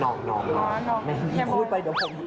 น้องก็จะหลงแฟนแล้วก็น้อง